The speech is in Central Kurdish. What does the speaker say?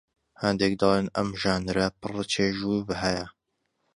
هەندێک دەڵێن ئەم ژانرە پڕ چێژ و بەهایە